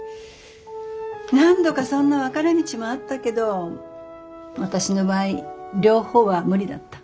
何度かそんな分かれ道もあったけど私の場合両方は無理だった。